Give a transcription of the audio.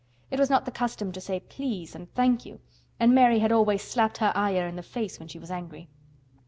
It was not the custom to say "please" and "thank you" and Mary had always slapped her Ayah in the face when she was angry.